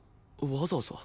わざわざ？